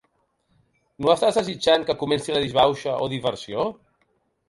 No estàs desitjant que comenci la disbauxa o diversió?